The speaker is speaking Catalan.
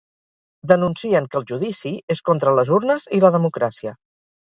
Denuncien que el judici és contra les urnes i la democràcia.